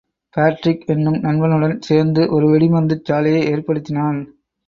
Patrick என்னும் நண்பனுடன் சேர்ந்து ஒரு வெடிமருந்துச் சாலையை ஏற்படுத்தினான்.